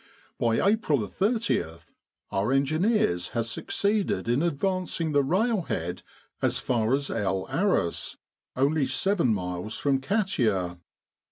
By April 30 our engineers had suc ceeded in advancing the railhead as far as El Arais, only 7 miles from Katia.